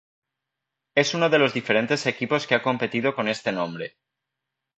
Es uno de los diferentes equipos que ha competido con este nombre.